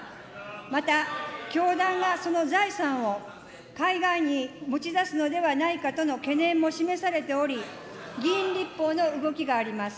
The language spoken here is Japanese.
また、教団がその財産を海外に持ち出すのではないかとの懸念も示されており、議員立法の動きがあります。